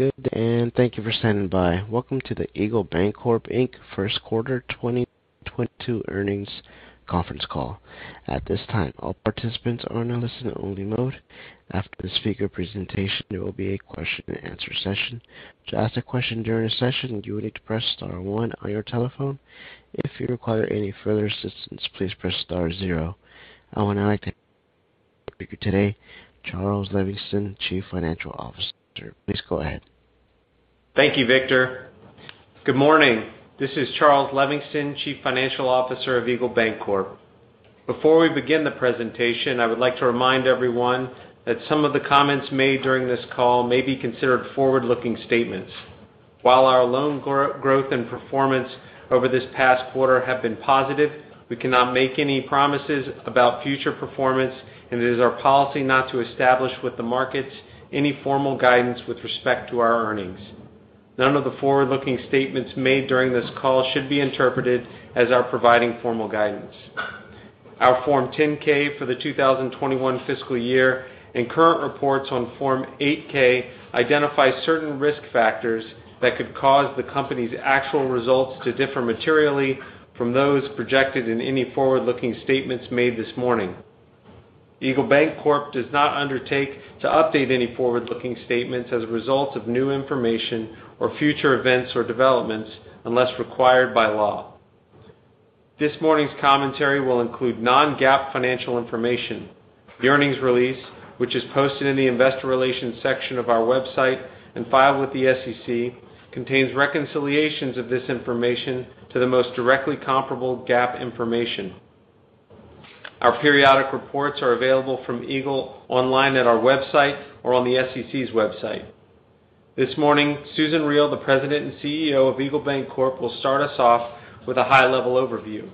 Good, thank you for standing by. Welcome to the Eagle Bancorp, Inc. first quarter 2022 earnings conference call. At this time, all participants are in a listen-only mode. After the speaker presentation, there will be a question and answer session. To ask a question during the session, you will need to press star one on your telephone. If you require any further assistance, please press star zero. I would now like to introduce today's speaker, Charles Levingston, Chief Financial Officer. Please go ahead. Thank you, Victor. Good morning. This is Charles Levingston, Chief Financial Officer of Eagle Bancorp. Before we begin the presentation, I would like to remind everyone that some of the comments made during this call may be considered forward-looking statements. While our loan growth and performance over this past quarter have been positive, we cannot make any promises about future performance, and it is our policy not to establish with the markets any formal guidance with respect to our earnings. None of the forward-looking statements made during this call should be interpreted as our providing formal guidance. Our Form 10-K for the 2021 fiscal year and current reports on Form 8-K identify certain risk factors that could cause the company's actual results to differ materially from those projected in any forward-looking statements made this morning. Eagle Bancorp does not undertake to update any forward-looking statements as a result of new information or future events or developments, unless required by law. This morning's commentary will include non-GAAP financial information. The earnings release, which is posted in the investor relations section of our website and filed with the SEC, contains reconciliations of this information to the most directly comparable GAAP information. Our periodic reports are available from Eagle online at our website or on the SEC's website. This morning, Susan Riel, the President and CEO of Eagle Bancorp, will start us off with a high-level overview.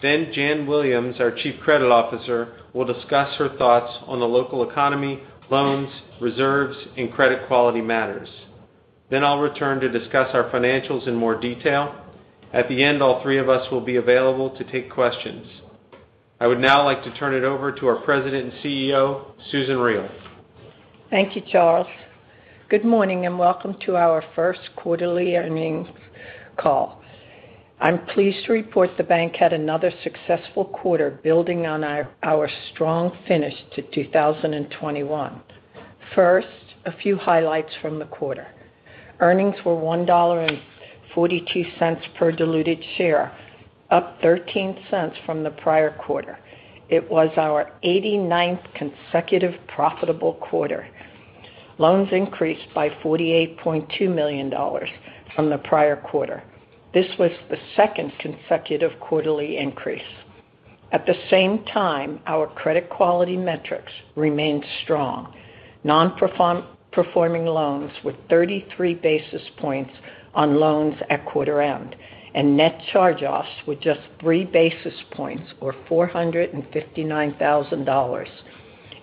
Jan Williams, our Chief Credit Officer, will discuss her thoughts on the local economy, loans, reserves, and credit quality matters. I'll return to discuss our financials in more detail. At the end, all three of us will be available to take questions. I would now like to turn it over to our President and CEO, Susan Riel. Thank you, Charles. Good morning and welcome to our first quarterly earnings call. I'm pleased to report the bank had another successful quarter building on our strong finish to 2021. First, a few highlights from the quarter. Earnings were $1.42 per diluted share, up 13 cents from the prior quarter. It was our 89th consecutive profitable quarter. Loans increased by $48.2 million from the prior quarter. This was the second consecutive quarterly increase. At the same time, our credit quality metrics remained strong. Non-performing loans were 33 basis points on loans at quarter end, and net charge-offs were just 3 basis points or $459,000.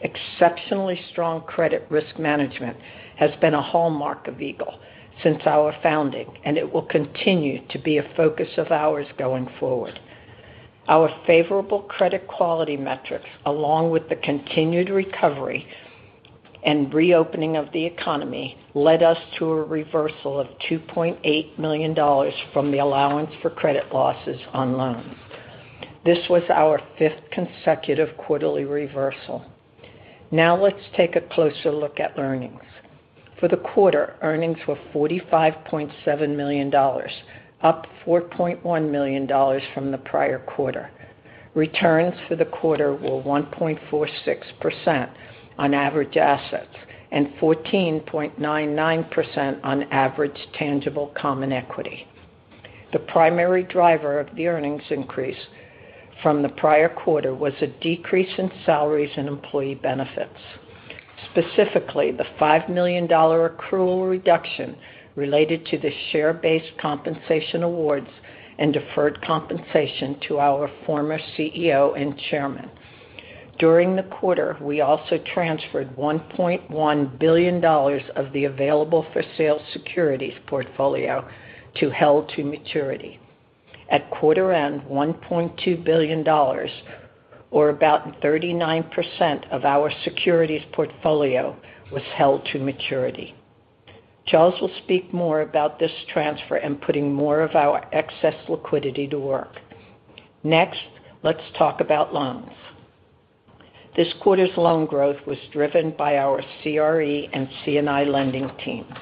Exceptionally strong credit risk management has been a hallmark of Eagle since our founding, and it will continue to be a focus of ours going forward. Our favorable credit quality metrics, along with the continued recovery and reopening of the economy, led us to a reversal of $2.8 million from the allowance for credit losses on loans. This was our fifth consecutive quarterly reversal. Now let's take a closer look at earnings. For the quarter, earnings were $45.7 million, up $4.1 million from the prior quarter. Returns for the quarter were 1.46% on average assets and 14.99% on average tangible common equity. The primary driver of the earnings increase from the prior quarter was a decrease in salaries and employee benefits, specifically the $5 million accrual reduction related to the share-based compensation awards and deferred compensation to our former CEO and Chairman. During the quarter, we also transferred $1.1 billion of the available for sale securities portfolio to held to maturity. At quarter end, $1.2 billion or about 39% of our securities portfolio was held to maturity. Charles will speak more about this transfer and putting more of our excess liquidity to work. Next, let's talk about loans. This quarter's loan growth was driven by our CRE and C&I lending teams.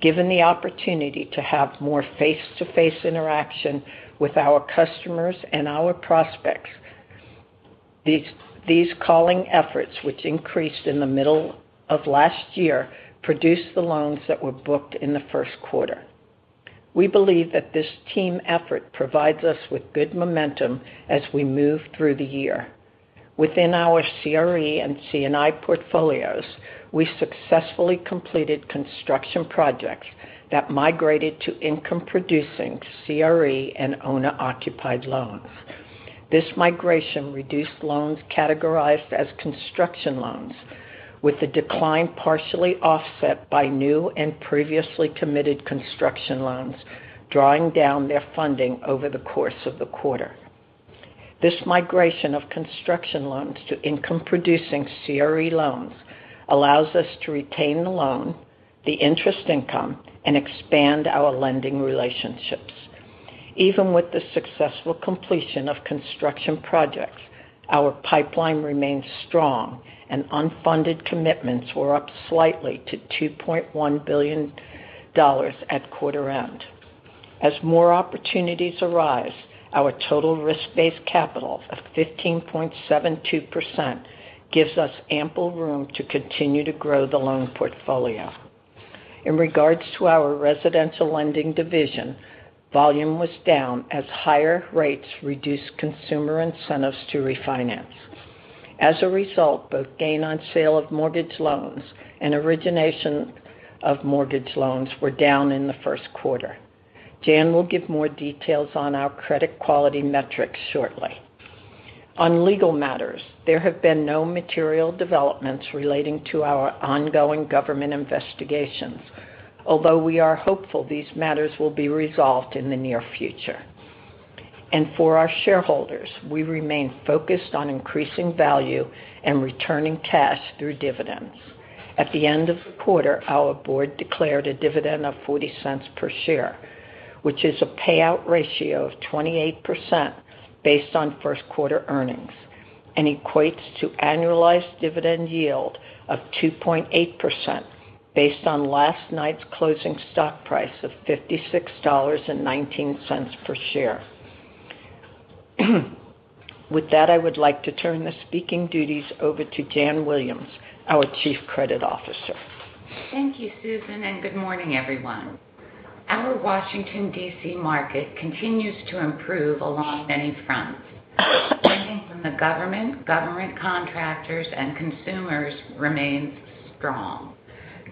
Given the opportunity to have more face-to-face interaction with our customers and our prospects, these calling efforts, which increased in the middle of last year, produced the loans that were booked in the first quarter. We believe that this team effort provides us with good momentum as we move through the year. Within our CRE and C&I portfolios, we successfully completed construction projects that migrated to income-producing CRE and owner-occupied loans. This migration reduced loans categorized as construction loans, with the decline partially offset by new and previously committed construction loans, drawing down their funding over the course of the quarter. This migration of construction loans to income producing CRE loans allows us to retain the loan, the interest income, and expand our lending relationships. Even with the successful completion of construction projects, our pipeline remains strong and unfunded commitments were up slightly to $2.1 billion at quarter end. As more opportunities arise, our total risk-based capital of 15.72% gives us ample room to continue to grow the loan portfolio. In regards to our residential lending division, volume was down as higher rates reduced consumer incentives to refinance. As a result, both gain on sale of mortgage loans and origination of mortgage loans were down in the first quarter. Jan will give more details on our credit quality metrics shortly. On legal matters, there have been no material developments relating to our ongoing government investigations, although we are hopeful these matters will be resolved in the near future. For our shareholders, we remain focused on increasing value and returning cash through dividends. At the end of the quarter, our board declared a dividend of $0.40 per share, which is a payout ratio of 28% based on first quarter earnings and equates to annualized dividend yield of 2.8% based on last night's closing stock price of $56.19 per share. With that, I would like to turn the speaking duties over to Jan Williams, our Chief Credit Officer. Thank you, Susan, and good morning, everyone. Our Washington, D.C. market continues to improve along many fronts. Lending from the government contractors and consumers remains strong.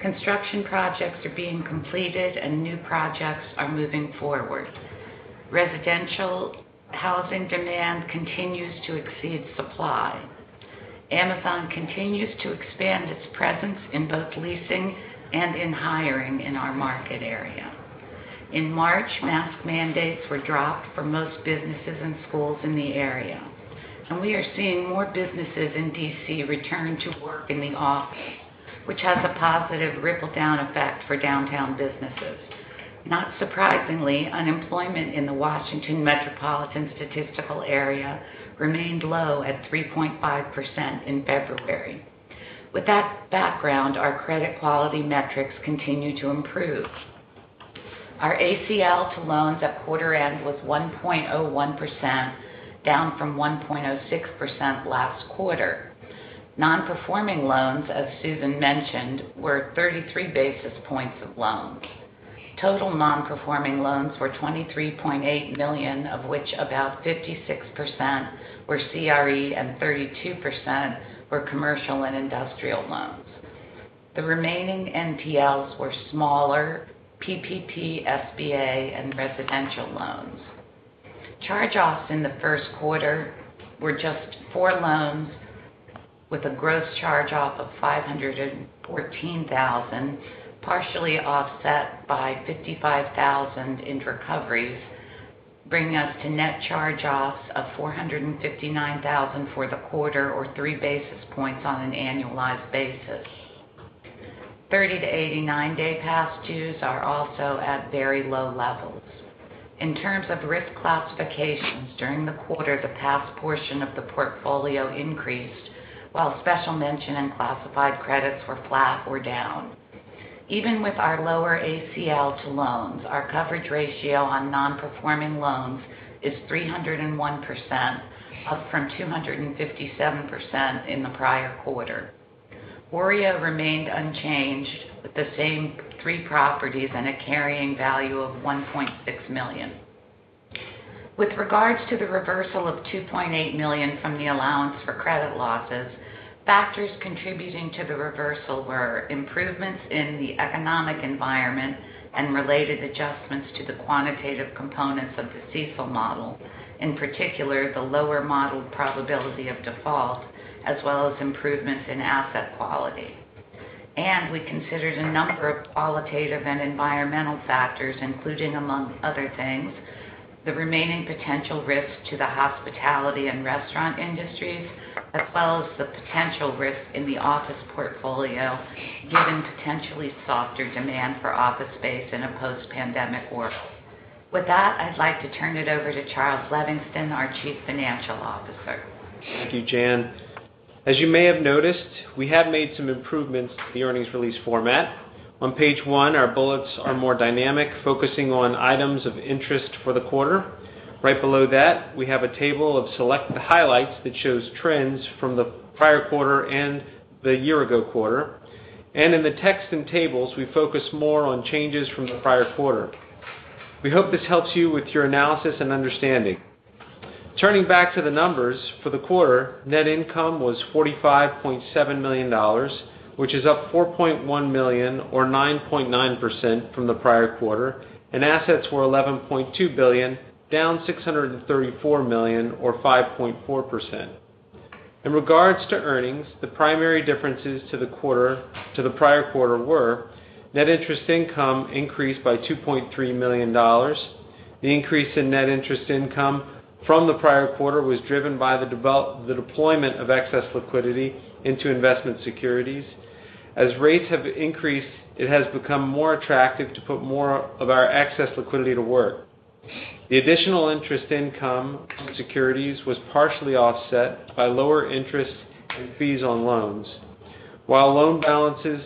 Construction projects are being completed and new projects are moving forward. Residential housing demand continues to exceed supply. Amazon continues to expand its presence in both leasing and in hiring in our market area. In March, mask mandates were dropped for most businesses and schools in the area, and we are seeing more businesses in D.C. return to work in the office, which has a positive ripple down effect for downtown businesses. Not surprisingly, unemployment in the Washington metropolitan statistical area remained low at 3.5% in February. With that background, our credit quality metrics continue to improve. Our ACL to loans at quarter end was 1.01%, down from 1.06% last quarter. Nonperforming loans, as Susan mentioned, were 33 basis points of loans. Total nonperforming loans were $23.8 million, of which about 56% were CRE and 32% were commercial and industrial loans. The remaining NPLs were smaller PPP, SBA and residential loans. Charge-offs in the first quarter were just four loans with a gross charge-off of $514 thousand, partially offset by $55 thousand in recoveries, bringing us to net charge-offs of $459 thousand for the quarter or three basis points on an annualized basis. 30-89 day past dues are also at very low levels. In terms of risk classifications during the quarter, the pass portion of the portfolio increased while special mention and classified credits were flat or down. Even with our lower ACL to loans, our coverage ratio on non-performing loans is 301%, up from 257% in the prior quarter. OREO remained unchanged with the same three properties and a carrying value of $1.6 million. With regards to the reversal of $2.8 million from the allowance for credit losses, factors contributing to the reversal were improvements in the economic environment and related adjustments to the quantitative components of the CECL model, in particular the lower modeled probability of default as well as improvements in asset quality. We considered a number of qualitative and environmental factors including, among other things, the remaining potential risks to the hospitality and restaurant industries, as well as the potential risk in the office portfolio given potentially softer demand for office space in a post-pandemic world. With that, I'd like to turn it over to Charles Levingston, our Chief Financial Officer. Thank you, Jan. As you may have noticed, we have made some improvements to the earnings release format. On page one, our bullets are more dynamic, focusing on items of interest for the quarter. Right below that, we have a table of select highlights that shows trends from the prior quarter and the year ago quarter. In the text and tables, we focus more on changes from the prior quarter. We hope this helps you with your analysis and understanding. Turning back to the numbers, for the quarter, net income was $45.7 million, which is up $4.1 million or 9.9% from the prior quarter, and assets were $11.2 billion, down $634 million or 5.4%. In regards to earnings, the primary differences to the prior quarter were net interest income increased by $2.3 million. The increase in net interest income from the prior quarter was driven by the deployment of excess liquidity into investment securities. As rates have increased, it has become more attractive to put more of our excess liquidity to work. The additional interest income from securities was partially offset by lower interest and fees on loans. While loan balances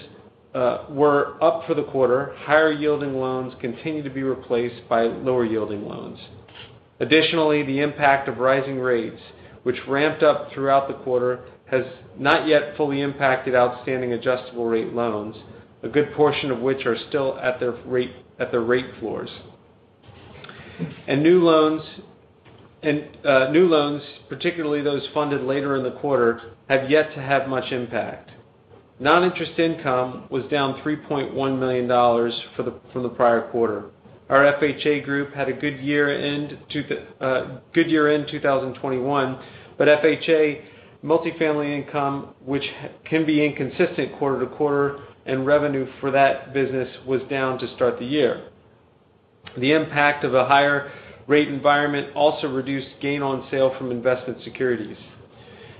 were up for the quarter, higher-yielding loans continued to be replaced by lower-yielding loans. Additionally, the impact of rising rates, which ramped up throughout the quarter, has not yet fully impacted outstanding adjustable rate loans, a good portion of which are still at their rate floors. New loans, particularly those funded later in the quarter, have yet to have much impact. Non-interest income was down $3.1 million from the prior quarter. Our FHA group had a good year-end 2021, but FHA multifamily income, which can be inconsistent quarter to quarter, and revenue for that business was down to start the year. The impact of a higher rate environment also reduced gain on sale from investment securities,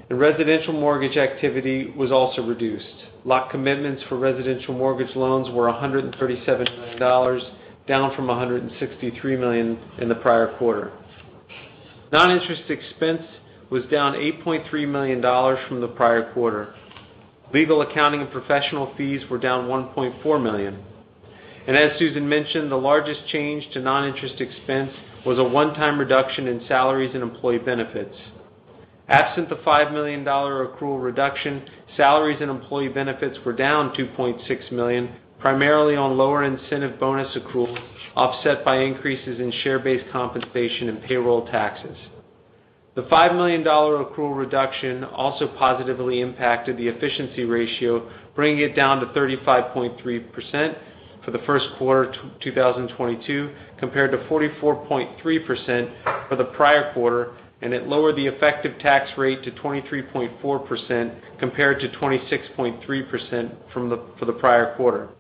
and residential mortgage activity was also reduced. Lock commitments for residential mortgage loans were $137 million, down from $163 million in the prior quarter. Non-interest expense was down $8.3 million from the prior quarter. Legal, accounting, and professional fees were down $1.4 million. As Susan mentioned, the largest change to non-interest expense was a one-time reduction in salaries and employee benefits. Absent the $5 million accrual reduction, salaries and employee benefits were down $2.6 million, primarily on lower incentive bonus accrual, offset by increases in share-based compensation and payroll taxes. The $5 million accrual reduction also positively impacted the efficiency ratio, bringing it down to 35.3% for the first quarter 2022, compared to 44.3% for the prior quarter, and it lowered the effective tax rate to 23.4%, compared to 26.3% for the prior quarter.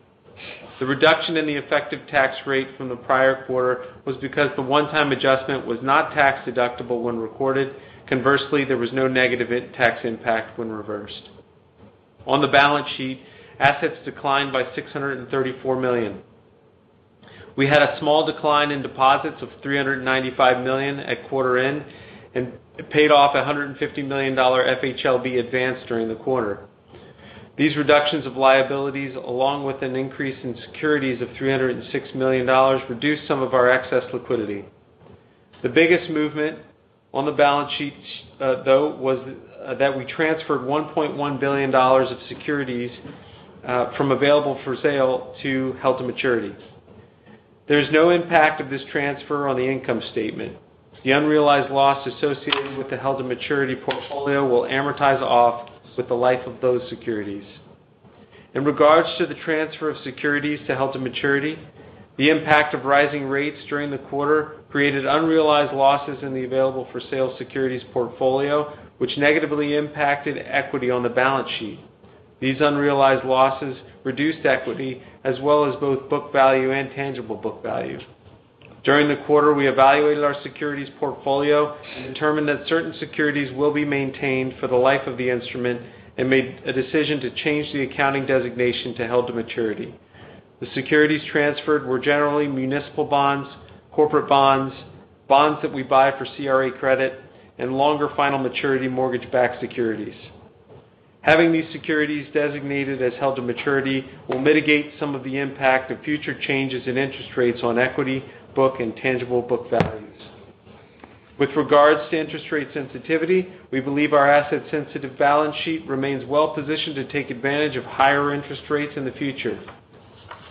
The reduction in the effective tax rate from the prior quarter was because the one-time adjustment was not tax-deductible when recorded. Conversely, there was no negative tax impact when reversed. On the balance sheet, assets declined by $634 million. We had a small decline in deposits of $395 million at quarter end, and paid off a $150 million FHLB advance during the quarter. These reductions of liabilities, along with an increase in securities of $306 million, reduced some of our excess liquidity. The biggest movement on the balance sheet, though, was that we transferred $1.1 billion of securities from available for sale to held to maturity. There's no impact of this transfer on the income statement. The unrealized loss associated with the held to maturity portfolio will amortize off with the life of those securities. In regards to the transfer of securities to held to maturity, the impact of rising rates during the quarter created unrealized losses in the available for sale securities portfolio, which negatively impacted equity on the balance sheet. These unrealized losses reduced equity, as well as both book value and tangible book value. During the quarter, we evaluated our securities portfolio and determined that certain securities will be maintained for the life of the instrument and made a decision to change the accounting designation to held to maturity. The securities transferred were generally municipal bonds, corporate bonds that we buy for CRA credit, and longer final maturity mortgage-backed securities. Having these securities designated as held to maturity will mitigate some of the impact of future changes in interest rates on equity, book, and tangible book values. With regards to interest rate sensitivity, we believe our asset-sensitive balance sheet remains well-positioned to take advantage of higher interest rates in the future.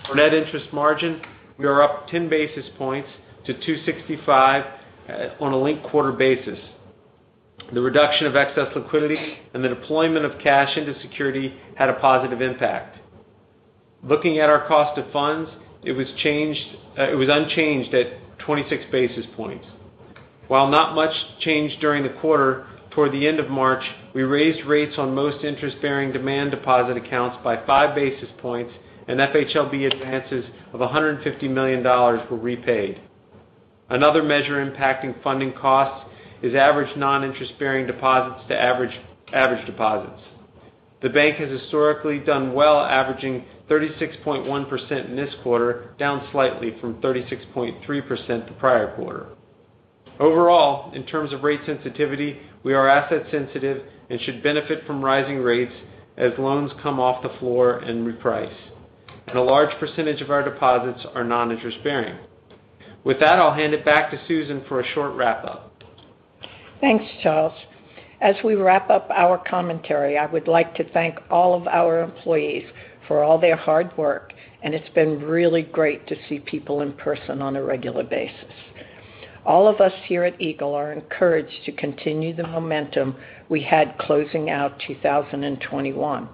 For net interest margin, we are up 10 basis points to 265 on a linked-quarter basis. The reduction of excess liquidity and the deployment of cash into securities had a positive impact. Looking at our cost of funds, it was unchanged at 26 basis points. While not much changed during the quarter, toward the end of March, we raised rates on most interest-bearing demand deposit accounts by 5 basis points, and FHLB advances of $150 million were repaid. Another measure impacting funding costs is average non-interest-bearing deposits to average deposits. The bank has historically done well, averaging 36.1% in this quarter, down slightly from 36.3% the prior quarter. Overall, in terms of rate sensitivity, we are asset sensitive and should benefit from rising rates as loans come off the floor and reprice, and a large percentage of our deposits are non-interest-bearing. With that, I'll hand it back to Susan for a short wrap-up. Thanks, Charles. As we wrap up our commentary, I would like to thank all of our employees for all their hard work, and it's been really great to see people in person on a regular basis. All of us here at Eagle are encouraged to continue the momentum we had closing out 2021.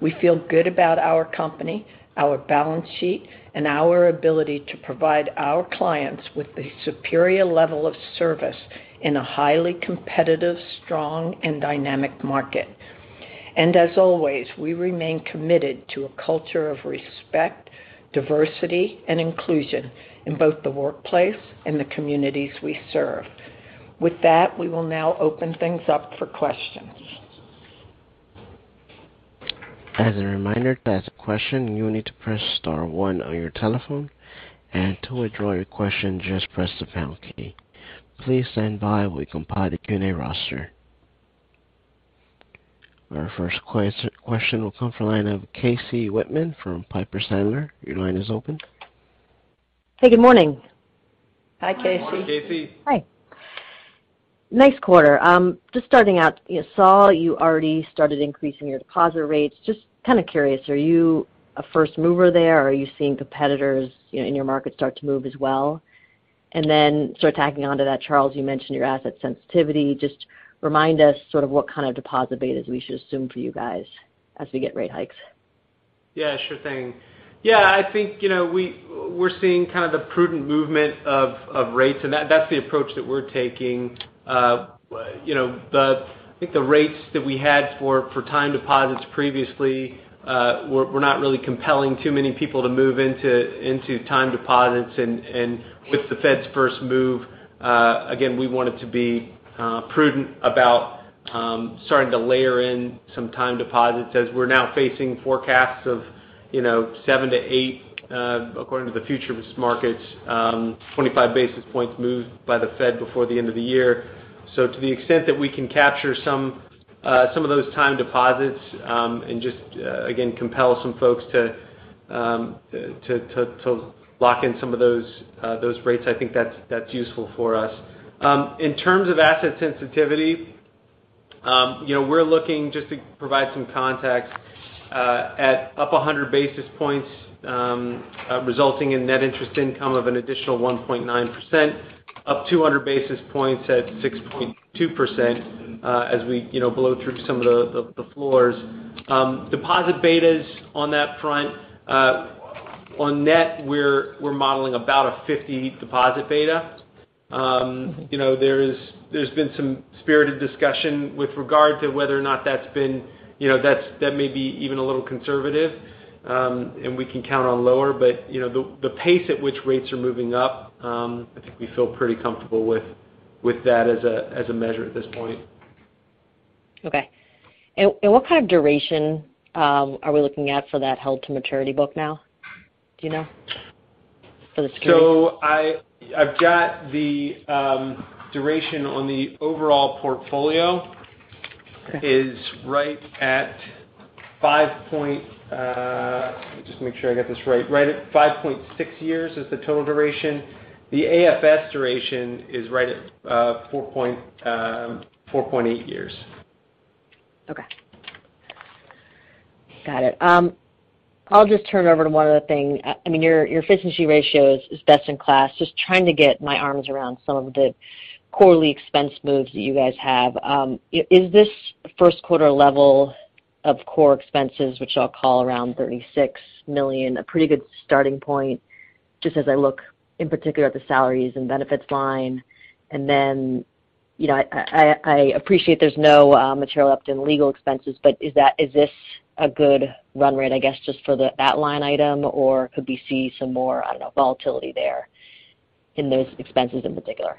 We feel good about our company, our balance sheet, and our ability to provide our clients with a superior level of service in a highly competitive, strong, and dynamic market. As always, we remain committed to a culture of respect, diversity, and inclusion in both the workplace and the communities we serve. With that, we will now open things up for questions. As a reminder, to ask a question, you will need to press star one on your telephone, and to withdraw your question, just press the pound key. Please stand by while we compile the Q&A roster. Our first question will come from the line of Casey Whitman from Piper Sandler. Your line is open. Hey, good morning. Hi, Casey. Good morning, Casey. Hi. Nice quarter. Just starting out, you saw you already started increasing your deposit rates. Just kind of curious, are you a first mover there, or are you seeing competitors, you know, in your market start to move as well? Then sort of tacking onto that, Charles, you mentioned your asset sensitivity. Just remind us sort of what kind of deposit betas we should assume for you guys as we get rate hikes. Yeah, sure thing. Yeah, I think, you know, we're seeing kind of the prudent movement of rates, and that's the approach that we're taking. You know, I think the rates that we had for time deposits previously were not really compelling too many people to move into time deposits. With the Fed's first move, again, we wanted to be prudent about starting to layer in some time deposits as we're now facing forecasts of, you know, seven to eight, according to the futures markets, 25 basis points moved by the Fed before the end of the year. To the extent that we can capture some of those time deposits and just again compel some folks to lock in some of those rates, I think that's useful for us. In terms of asset sensitivity, you know, we're looking just to provide some context at up 100 basis points, resulting in net interest income of an additional 1.9%, up 200 basis points at 6.2%, as we, you know, blow through some of the floors. Deposit betas on that front, on net, we're modeling about a 50 deposit beta. You know, there's been some spirited discussion with regard to whether or not that may be even a little conservative, and we can count on lower. You know, the pace at which rates are moving up. I think we feel pretty comfortable with that as a measure at this point. Okay. What kind of duration are we looking at for that held to maturity book now? Do you know for the screen? I've got the duration on the overall portfolio right at 5.6 years, the total duration. The AFS duration is right at 4.8 years. Okay. Got it. I'll just turn over to one other thing. I mean, your efficiency ratio is best in class. Just trying to get my arms around some of the quarterly expense moves that you guys have. Is this first quarter level of core expenses, which I'll call around $36 million, a pretty good starting point, just as I look in particular at the salaries and benefits line? And then, you know, I appreciate there's no material up in legal expenses, but is this a good run rate, I guess, just for that line item, or could we see some more, I don't know, volatility there in those expenses in particular?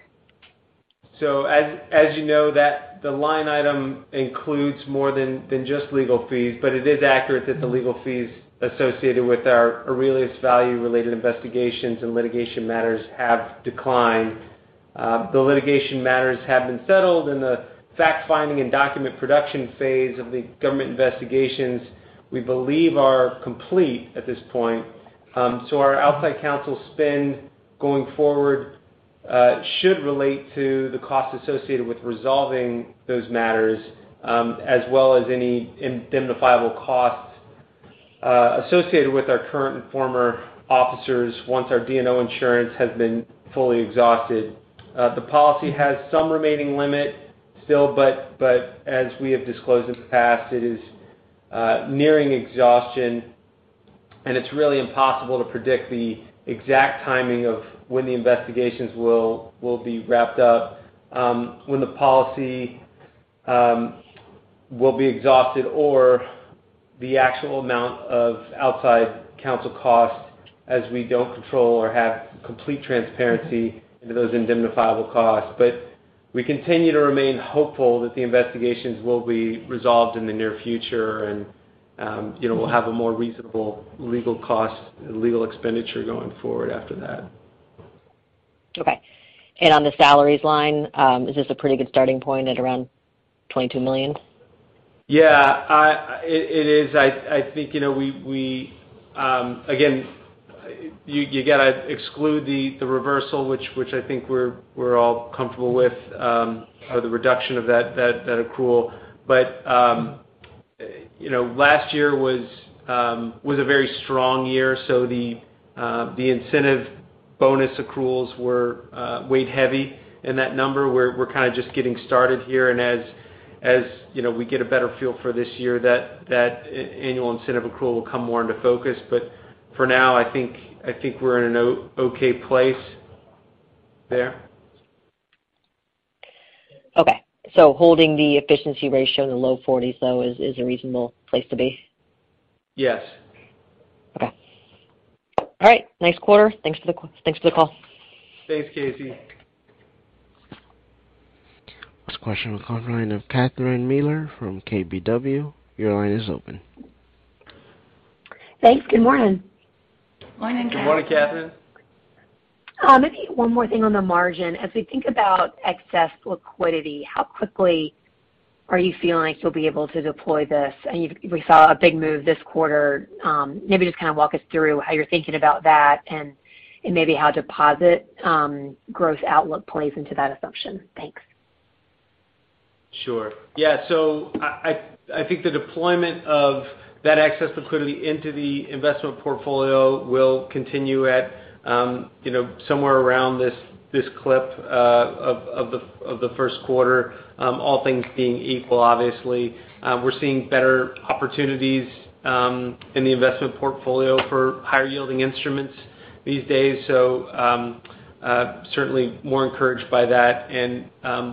As you know that the line item includes more than just legal fees, but it is accurate that the legal fees associated with our Aurelius Value related investigations and litigation matters have declined. The litigation matters have been settled and the fact-finding and document production phase of the government investigations we believe are complete at this point. Our outside counsel spend going forward should relate to the cost associated with resolving those matters, as well as any indemnifiable costs associated with our current and former officers once our D&O insurance has been fully exhausted. The policy has some remaining limit still, but as we have disclosed in the past, it is nearing exhaustion, and it's really impossible to predict the exact timing of when the investigations will be wrapped up, when the policy will be exhausted or the actual amount of outside counsel costs as we don't control or have complete transparency into those indemnifiable costs. We continue to remain hopeful that the investigations will be resolved in the near future and, you know, we'll have a more reasonable legal cost and legal expenditure going forward after that. Okay. On the salaries line, is this a pretty good starting point at around $22 million? Yeah. It is. I think, you know, we again, you got to exclude the reversal which I think we're all comfortable with, or the reduction of that accrual. You know, last year was a very strong year, so the incentive bonus accruals were weighed heavy in that number. We're kind of just getting started here and as you know, we get a better feel for this year, that annual incentive accrual will come more into focus. For now, I think we're in an okay place there. Okay. Holding the efficiency ratio in the low 40s%, though, is a reasonable place to be? Yes. Okay. All right. Nice quarter. Thanks for the call. Thanks, Casey. Next question comes from the line of Catherine Mealor from KBW. Your line is open. Thanks. Good morning. Good morning, Catherine. Good morning, Catherine. Maybe one more thing on the margin. As we think about excess liquidity, how quickly are you feeling like you'll be able to deploy this? We saw a big move this quarter. Maybe just kind of walk us through how you're thinking about that and maybe how deposit growth outlook plays into that assumption. Thanks. Sure. Yeah. I think the deployment of that excess liquidity into the investment portfolio will continue at, you know, somewhere around this clip of the first quarter, all things being equal, obviously. We're seeing better opportunities in the investment portfolio for higher yielding instruments these days. Certainly more encouraged by that and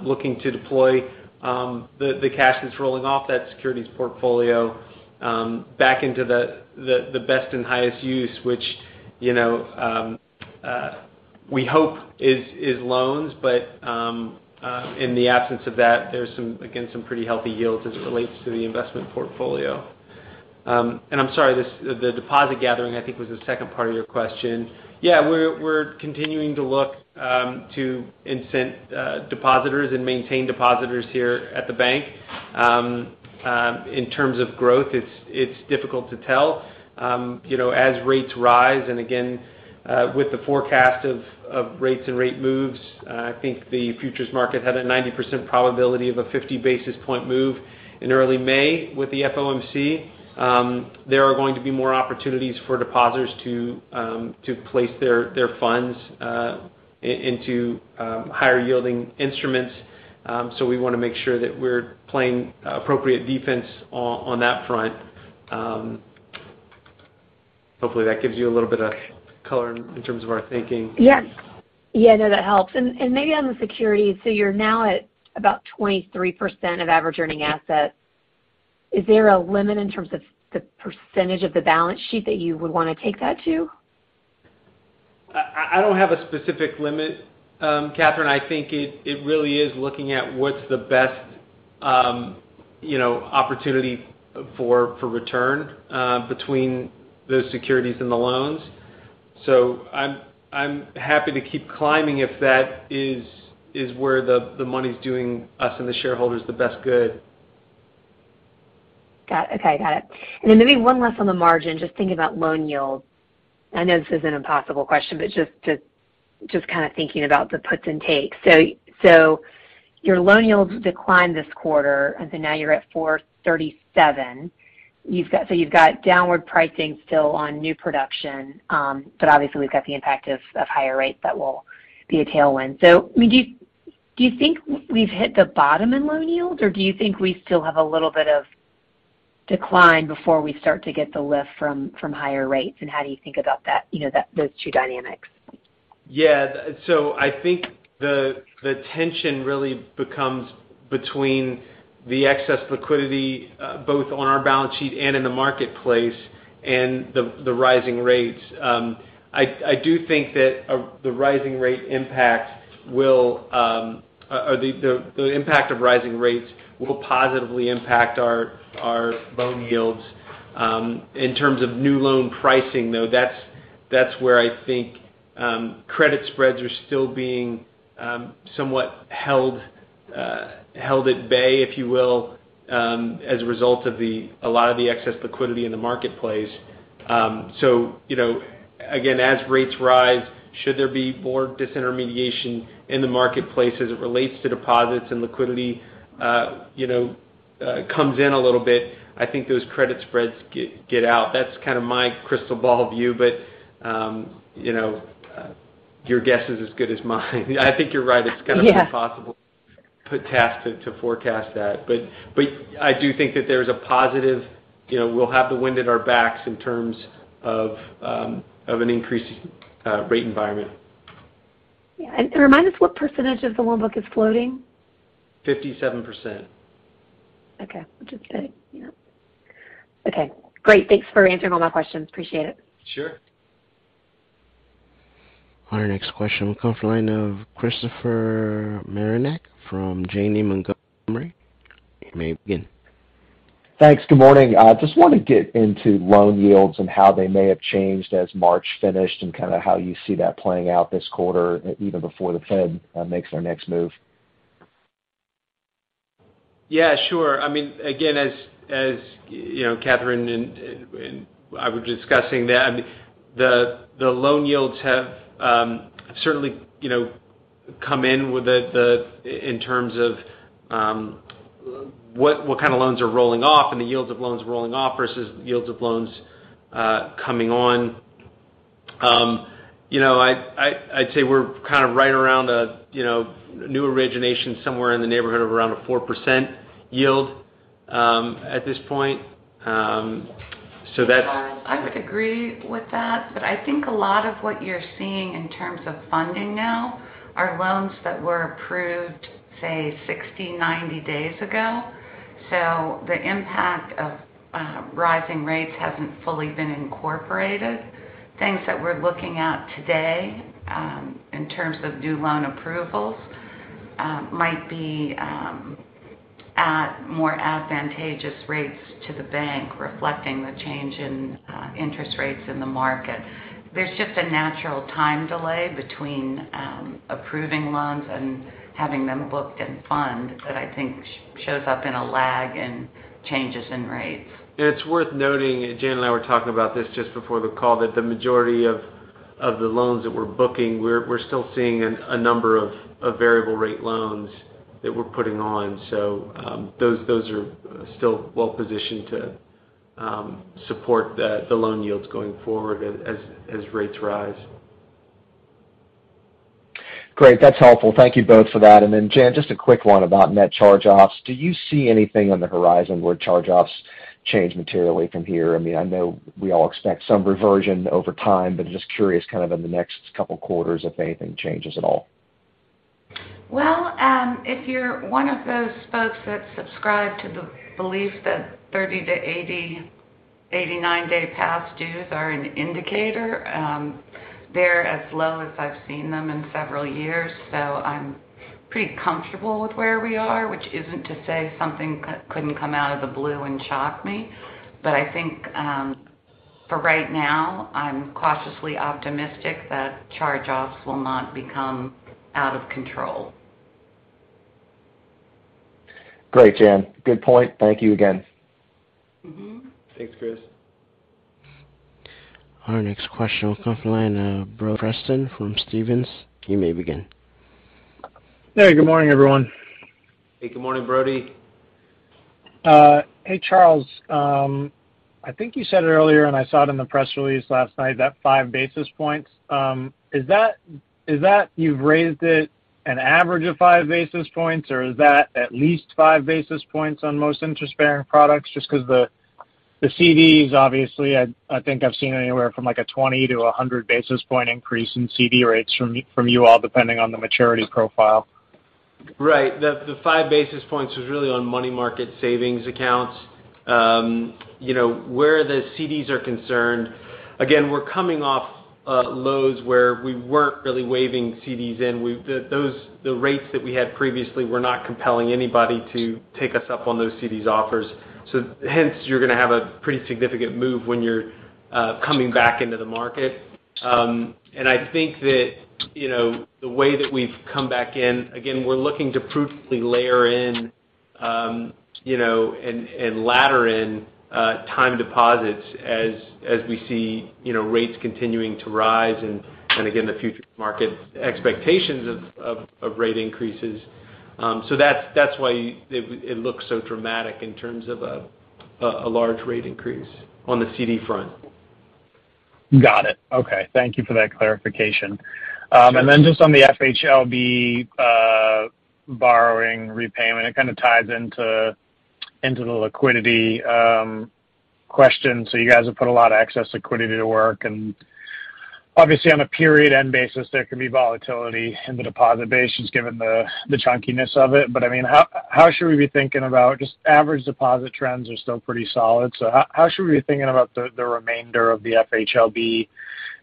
looking to deploy the cash that's rolling off that securities portfolio back into the best and highest use, which, you know, we hope is loans. In the absence of that, there's some, again, some pretty healthy yields as it relates to the investment portfolio. I'm sorry, the deposit gathering, I think, was the second part of your question. Yeah, we're continuing to look to incent depositors and maintain depositors here at the bank. In terms of growth, it's difficult to tell. You know, as rates rise and again, with the forecast of rates and rate moves, I think the futures market had a 90% probability of a 50 basis point move in early May with the FOMC. There are going to be more opportunities for depositors to place their funds into higher yielding instruments. We wanna make sure that we're playing appropriate defense on that front. Hopefully that gives you a little bit of color in terms of our thinking. Yes. Yeah, no, that helps. Maybe on the security, so you're now at about 23% of average earning assets. Is there a limit in terms of the percentage of the balance sheet that you would wanna take that to? I don't have a specific limit, Catherine. I think it really is looking at what's the best, you know, opportunity for return, between those securities and the loans. I'm happy to keep climbing if that is where the money's doing us and the shareholders the best good. Got it. Okay. Got it. Maybe one last on the margin, just thinking about loan yields. I know this is an impossible question, but just kind of thinking about the puts and takes. Your loan yields declined this quarter, and now you're at 4.37%. You've got downward pricing still on new production, but obviously we've got the impact of higher rates that will be a tailwind. I mean, do you think we've hit the bottom in loan yields, or do you think we still have a little bit of decline before we start to get the lift from higher rates? How do you think about that, you know, those two dynamics? I think the tension really becomes between the excess liquidity both on our balance sheet and in the marketplace and the rising rates. I do think that the impact of rising rates will positively impact our loan yields. In terms of new loan pricing, though, that's where I think credit spreads are still being somewhat held at bay, if you will, as a result of a lot of the excess liquidity in the marketplace. You know, again, as rates rise, should there be more disintermediation in the marketplace as it relates to deposits and liquidity, you know, comes in a little bit, I think those credit spreads get out. That's kind of my crystal ball view, but, you know, your guess is as good as mine. I think you're right. Yeah. It's kind of an impossible task to forecast that. I do think that there's a positive, you know, we'll have the wind at our backs in terms of an increased rate environment. Yeah. Remind us what percentage of the loan book is floating? 57%. Okay. Just checking. Yep. Okay, great. Thanks for answering all my questions. Appreciate it. Sure. Our next question will come from the line of Christopher Marinac from Janney Montgomery. You may begin. Thanks. Good morning. I just wanna get into loan yields and how they may have changed as March finished and kind of how you see that playing out this quarter, even before the Fed makes their next move? Yeah, sure. I mean, again, as you know, Catherine and I were discussing that, the loan yields have certainly, you know, come in with the in terms of what kind of loans are rolling off and the yields of loans rolling off versus yields of loans coming on. You know, I'd say we're kind of right around a, you know, new origination somewhere in the neighborhood of around a 4% yield at this point, so that's- Charles, I would agree with that, but I think a lot of what you're seeing in terms of funding now are loans that were approved, say, 60, 90 days ago. The impact of rising rates hasn't fully been incorporated. Things that we're looking at today in terms of new loan approvals might be at more advantageous rates to the bank, reflecting the change in interest rates in the market. There's just a natural time delay between approving loans and having them booked and funded that I think shows up in a lag in changes in rates. It's worth noting, Jan and I were talking about this just before the call, that the majority of the loans that we're booking, we're still seeing a number of variable rate loans that we're putting on. Those are still well positioned to support the loan yields going forward as rates rise. Great. That's helpful. Thank you both for that. Jan, just a quick one about net charge-offs. Do you see anything on the horizon where charge-offs change materially from here? I mean, I know we all expect some reversion over time, but just curious kind of in the next couple quarters if anything changes at all? Well, if you're one of those folks that subscribe to the belief that 30-89 day past dues are an indicator, they're as low as I've seen them in several years. I'm pretty comfortable with where we are, which isn't to say something couldn't come out of the blue and shock me. I think, for right now, I'm cautiously optimistic that charge-offs will not become out of control. Great, Jan. Good point. Thank you again. Mm-hmm. Thanks, Chris. Our next question will come from the line of Brody Preston from Stephens. You may begin. Hey, good morning, everyone. Hey, good morning, Brody. Hey, Charles. I think you said it earlier, and I saw it in the press release last night, that five basis points. Is that you've raised it an average of five basis points, or is that at least five basis points on most interest-bearing products? Just because the CDs, obviously, I think I've seen anywhere from, like, a 20- to 100-basis point increase in CD rates from you all, depending on the maturity profile. Right. The 5 basis points was really on money market savings accounts. You know, where the CDs are concerned, again, we're coming off lows where we weren't really writing CDs in. The rates that we had previously were not compelling anybody to take us up on those CD offers. Hence, you're gonna have a pretty significant move when you're coming back into the market. I think that, you know, the way that we've come back in, again, we're looking to prudently layer in, you know, and ladder in time deposits as we see, you know, rates continuing to rise and again, the future market expectations of rate increases. That's why it looks so dramatic in terms of a large rate increase on the CD front. Got it. Okay. Thank you for that clarification. And then just on the FHLB borrowing repayment, it kind of ties into the liquidity question. You guys have put a lot of excess liquidity to work. Obviously, on a period end basis, there can be volatility in the deposit base just given the chunkiness of it. I mean, how should we be thinking about just average deposit trends are still pretty solid. How should we be thinking about the remainder of the FHLB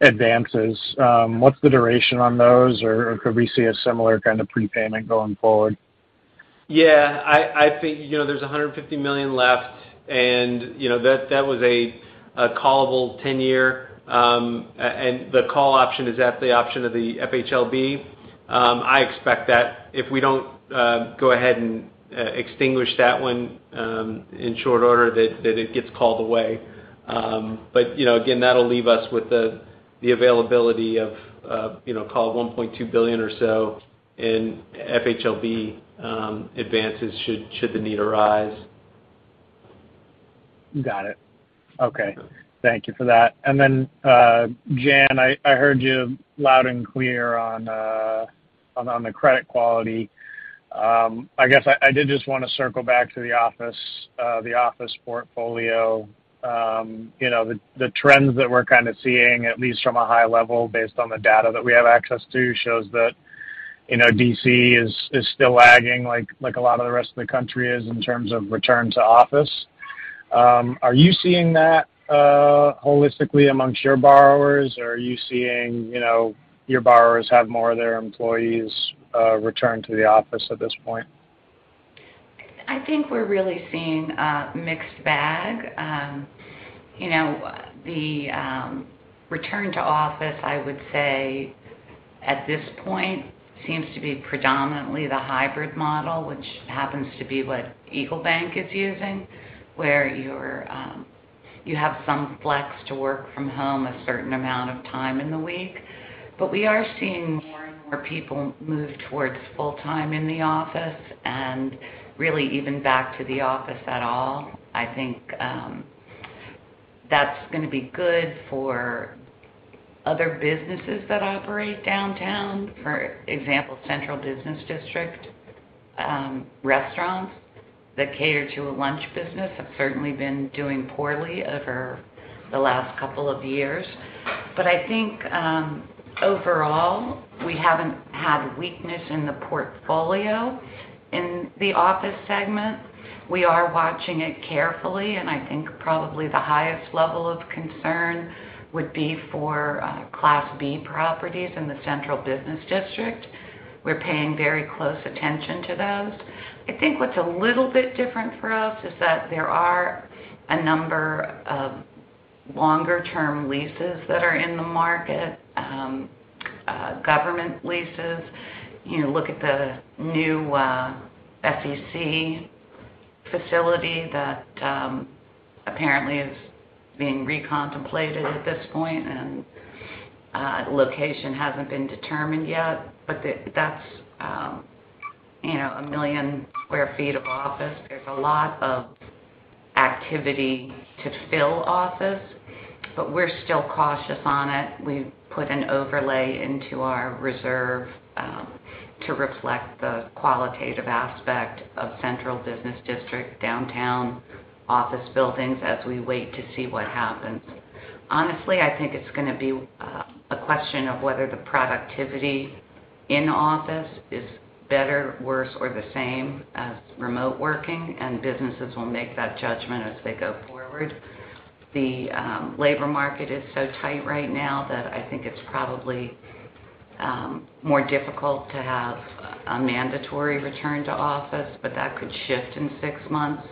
advances? What's the duration on those, or could we see a similar kind of prepayment going forward? Yeah. I think, you know, there's $150 million left and, you know, that was a callable ten-year, and the call option is at the option of the FHLB. I expect that if we don't go ahead and extinguish that one in short order that it gets called away. You know, again, that'll leave us with the availability of, you know, call it $1.2 billion or so in FHLB advances should the need arise. Got it. Okay. Thank you for that. Jan, I heard you loud and clear on the credit quality. I guess I did just wanna circle back to the office portfolio. You know, the trends that we're kind of seeing, at least from a high level based on the data that we have access to, shows that, you know, D.C. is still lagging like a lot of the rest of the country is in terms of return to office. Are you seeing that holistically amongst your borrowers, or are you seeing, you know, your borrowers have more of their employees return to the office at this point? I think we're really seeing a mixed bag. You know, the return to office, I would say, at this point seems to be predominantly the hybrid model, which happens to be what Eagle Bank is using, where you have some flex to work from home a certain amount of time in the week. We are seeing more and more people move towards full-time in the office and really even back to the office at all. I think that's gonna be good for other businesses that operate downtown. For example, Central Business District restaurants that cater to a lunch business have certainly been doing poorly over the last couple of years. I think overall, we haven't had weakness in the portfolio in the office segment. We are watching it carefully, and I think probably the highest level of concern would be for Class B properties in the Central Business District. We're paying very close attention to those. I think what's a little bit different for us is that there are a number of longer-term leases that are in the market, government leases. You look at the new SEC facility that apparently is being recontemplated at this point, and the location hasn't been determined yet, but that's you know, 1 million sq ft of office. There's a lot of activity to fill office, but we're still cautious on it. We've put an overlay into our reserve to reflect the qualitative aspect of Central Business District downtown office buildings as we wait to see what happens. Honestly, I think it's gonna be a question of whether the productivity in office is better, worse, or the same as remote working, and businesses will make that judgment as they go forward. The labor market is so tight right now that I think it's probably more difficult to have a mandatory return to office, but that could shift in six months.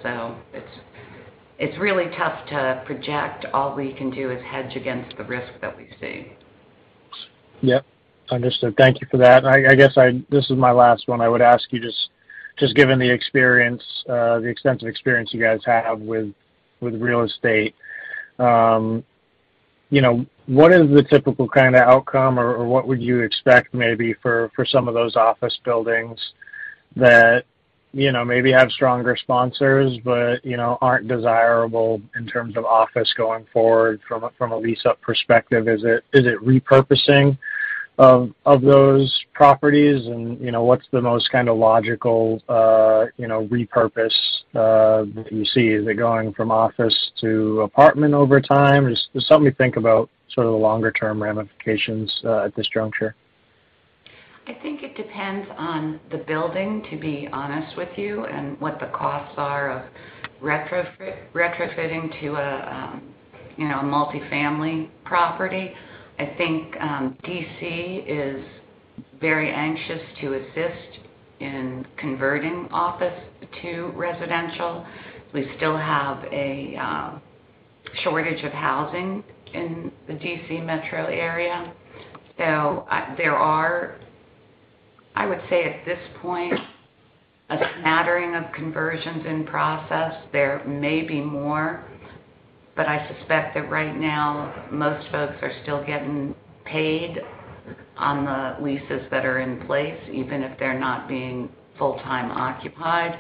It's really tough to project. All we can do is hedge against the risk that we see. Yep. Understood. Thank you for that. I guess this is my last one. I would ask you, just given the experience, the extensive experience you guys have with real estate, you know, what is the typical kinda outcome, or what would you expect maybe for some of those office buildings that, you know, maybe have stronger sponsors but, you know, aren't desirable in terms of office going forward from a lease-up perspective? Is it repurposing of those properties? You know, what's the most kinda logical repurpose that you see? Is it going from office to apartment over time? Just help me think about sort of the longer-term ramifications at this juncture. I think it depends on the building, to be honest with you, and what the costs are of retrofitting to a, you know, a multifamily property. I think, D.C. is very anxious to assist in converting office to residential. We still have a shortage of housing in the D.C. metro area, so there are, I would say at this point, a smattering of conversions in process. There may be more, but I suspect that right now most folks are still getting paid on the leases that are in place, even if they're not being full-time occupied.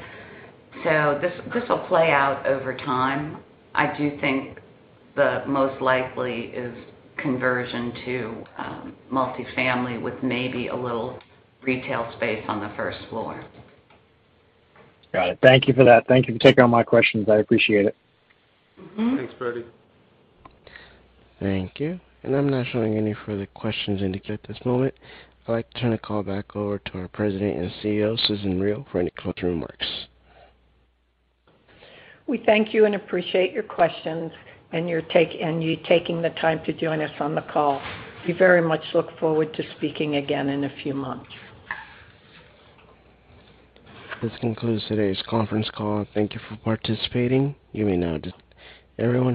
So this will play out over time. I do think the most likely is conversion to multifamily with maybe a little retail space on the first floor. Got it. Thank you for that. Thank you for taking all my questions. I appreciate it. Mm-hmm. Thanks, Brody. Thank you. I'm not showing any further questions indicated at this moment. I'd like to turn the call back over to our President and CEO, Susan Riel, for any closing remarks. We thank you and appreciate your questions and you taking the time to join us on the call. We very much look forward to speaking again in a few months. This concludes today's conference call. Thank you for participating. Everyone can disconnect at this time.